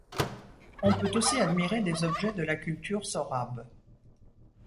On peut aussi admirer des objets de la culture Sorabe.